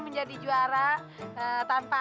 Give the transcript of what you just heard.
menjadi juara tanpa